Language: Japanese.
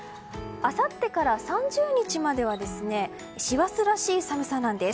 あさってから３０日までは師走らしい寒さなんです。